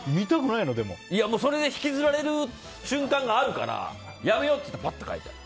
それで引きずられる瞬間があるからやめようってパッと変える。